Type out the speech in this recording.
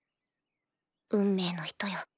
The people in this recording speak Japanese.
運命の人よ。